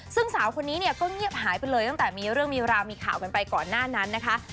ซึ่งสาวคนนี้เนี่ยก็เงียบหายไปเลยตั้งแต่มีเรื่องมีราวมีข่าวกันไปก่อนหน้านั้นนะคะ